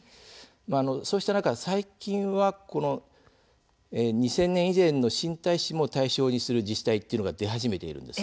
こうした中で、最近は２０００年以前の新耐震も対象にしている自治体が出始めているんです。